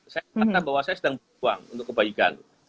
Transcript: saya kata bahwa saya sedang berbuang untuk kebaikan